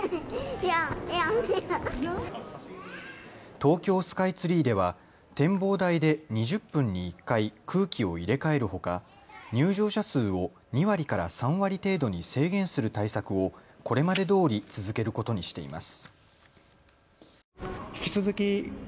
東京スカイツリーでは展望台で２０分に１回、空気を入れ替えるほか入場者数を２割から３割程度に制限する対策をこれまでどおり続けることにしています。